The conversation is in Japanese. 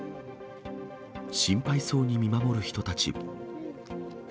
心配そうに見守る人たち。